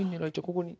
ここに？